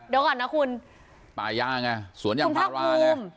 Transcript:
เดี๋ยวก่อนนะคุณปลาย่างอ่ะสวนยังภาราคุณพรรคบูม